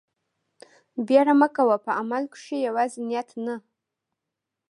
بيړه مه کوه په عمل کښې يوازې نيت نه.